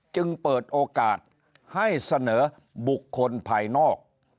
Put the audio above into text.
จึงเปิดโอกาสให้เสนอบุคคลภายนอก